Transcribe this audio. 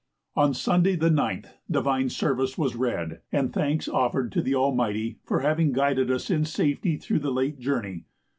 On Sunday the 9th divine service was read, and thanks offered to the Almighty for having guided us in safety through the late journey.